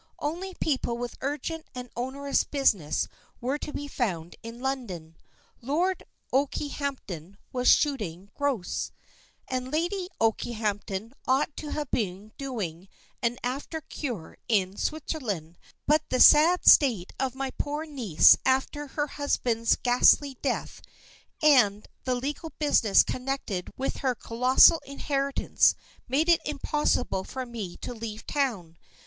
Only people with urgent and onerous business were to be found in London. Lord Okehampton was shooting grouse, and Lady Okehampton ought to have been doing an after cure in Switzerland; but "the sad state of my poor niece after her husband's ghastly death, and the legal business connected with her colossal inheritance, make it impossible for me to leave town.